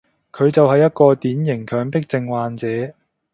佢就係一個典型強迫症患者